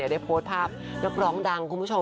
ได้โพสต์ภาพนักร้องดังคุณผู้ชม